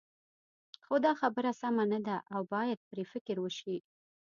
خو دا خبره سمه نه ده او باید پرې فکر وشي.